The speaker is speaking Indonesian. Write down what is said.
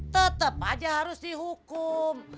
tetep aja harus dihukum